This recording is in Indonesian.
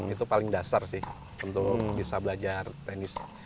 itu paling dasar sih untuk bisa belajar tenis